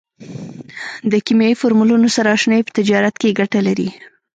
د کیمیاوي فورمولونو سره اشنایي په تجارت کې ګټه لري.